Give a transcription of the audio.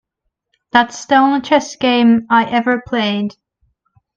That's the only chess game I ever played.